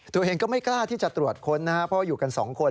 ตัวเองก็ไม่กล้าที่จะตรวจค้นนะครับเพราะอยู่กันสองคน